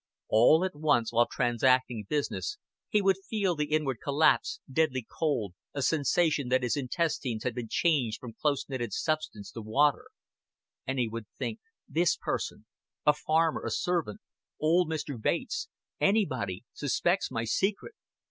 All at once while transacting business he would feel the inward collapse, deadly cold, a sensation that his intestines had been changed from close knitted substance to water; and he would think "This person" a farmer, a servant, old Mr. Bates, anybody "suspects my secret.